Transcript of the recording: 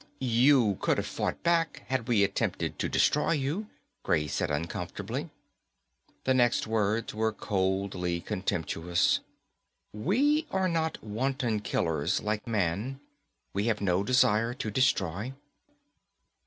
_ "You could have fought back, had we attempted to destroy you," Gray said uncomfortably. The next words were coldly contemptuous. _We are not wanton killers, like man. We have no desire to destroy.